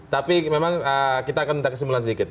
tapi memang kita akan minta kesimpulan sedikit